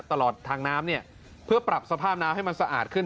ตลอดทางน้ำเนี่ยเพื่อปรับสภาพน้ำให้มันสะอาดขึ้น